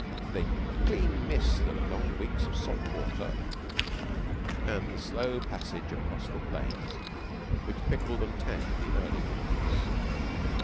They clean miss the long weeks of salt water and the slow passage across the plains which pickled and tanned the early emigrants.